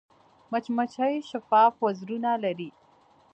مچمچۍ شفاف وزرونه لري